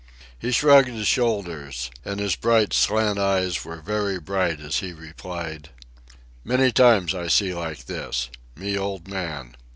He shrugged his shoulders, and his bright slant eyes were very bright as he replied: "Many times I see like this. Me old man.